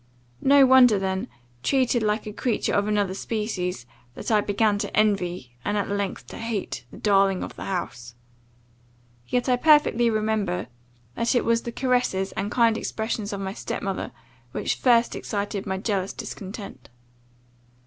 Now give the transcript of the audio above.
No wonder then, treated like a creature of another species, that I began to envy, and at length to hate, the darling of the house. Yet, I perfectly remember, that it was the caresses, and kind expressions of my step mother, which first excited my jealous discontent.